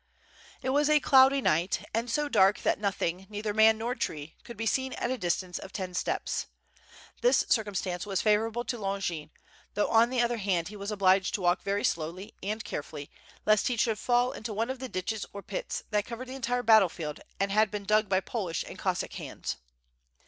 It was a cloudy night, and so dark that nothing, neither man nor tree, could be seen at a distance of ten steps. This circumstance was favorable to Longin; though on the other hand he was obliged to walk very slowly and carefully, lest he should fall into one of the ditches or pits that covered the entire battle field and had been dug by Polish and Cos sack hands.